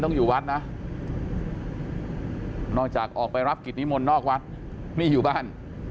อยู่วัดนะนอกจากออกไปรับกิจนิมนต์นอกวัดนี่อยู่บ้าน